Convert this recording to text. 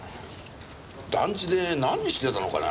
団地で何してたのかねぇ？